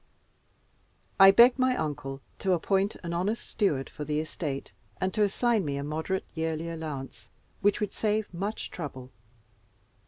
I begged my uncle to appoint an honest steward for the estate, and to assign me a moderate yearly allowance, which would save much trouble.